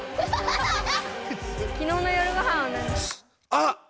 あっ！